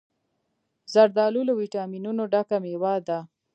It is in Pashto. زردالو له ویټامینونو ډکه مېوه ده.